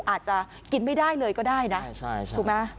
อาจจะกินไม่ได้เลยก็ได้นะถูกไหม